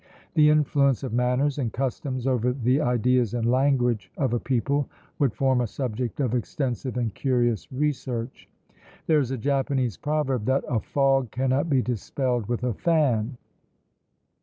The influence of manners and customs over the ideas and language of a people would form a subject of extensive and curious research. There is a Japanese proverb, that "A fog cannot be dispelled with a fan!"